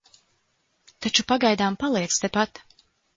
Taču pagaidām paliec tepat.